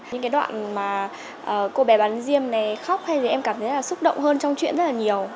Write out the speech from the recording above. những đoạn mà cô bé bán xiêm khóc em cảm thấy xúc động hơn trong chuyện rất là nhiều